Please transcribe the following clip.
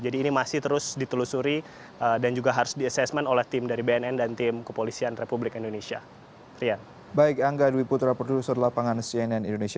jadi ini masih terus ditelusuri dan juga harus di assessment oleh tim dari bnn dan tim rs